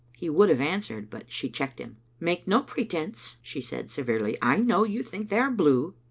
He would have answered, but she checked him. " Make no pretence," she said, severely; " I know you think they are blue."